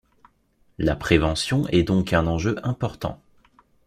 La prévention est donc un enjeu important.